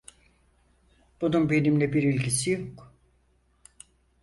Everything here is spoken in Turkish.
Bunun benimle bir ilgisi yok.